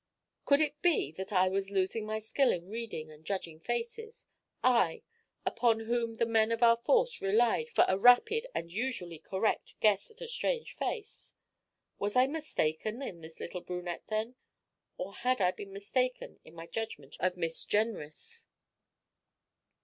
Could it be that I was losing my skill in reading and judging faces I, upon whom the men of our force relied for a rapid, and usually correct, guess at a strange face? Was I mistaken in this little brunette, then? Or had I been mistaken in my judgment of Miss Jenrys?